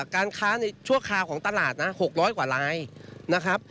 การค้าในชั่วคราวของตลาดนะ๖๐๐กว่าลายนะครับ